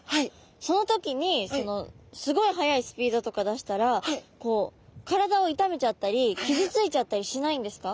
その時にすごい速いスピードとか出したら体を痛めちゃったり傷ついちゃったりしないんですか？